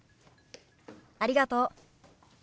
ありがとう。